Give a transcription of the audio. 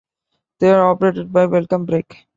They are operated by Welcome Break.